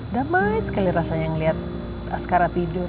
damai sekali rasanya ngeliat askara tidur